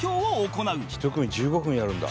「１組１５分やるんだ」